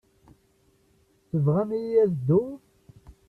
Tebɣam-iyi ad dduɣ?